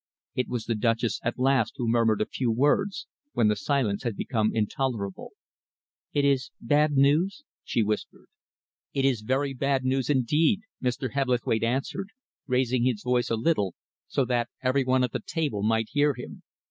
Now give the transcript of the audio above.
It was the Duchess at last who murmured a few words, when the silence had become intolerable. "It is bad news?" she whispered. "It is very bad news indeed," Mr. Hebblethwaite answered, raising his voice a little, so that every one at the table might hear him.